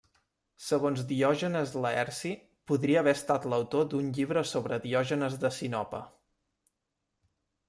Segons Diògenes Laerci, podria haver estat l'autor d'un llibre sobre Diògenes de Sinope.